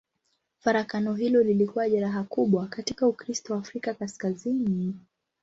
Farakano hilo lilikuwa jeraha kubwa katika Ukristo wa Afrika Kaskazini.